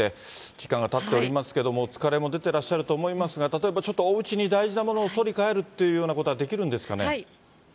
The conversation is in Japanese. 時間がたっておりますけれども、疲れも出てらっしゃると思いますが、例えばちょっと、おうちに大事なものを取りに帰るというようなことはできるんです